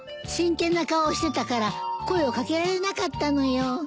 真剣な顔してたから声を掛けられなかったのよ。